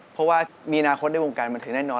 เพราะว่ามีอนาคตในวงการบันเทิงแน่นอน